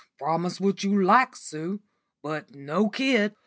"Promise what you like, Sue, but no kid.